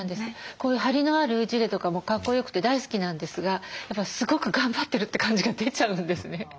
こういうハリのあるジレとかもかっこよくて大好きなんですがすごく頑張ってるって感じが出ちゃうんですね。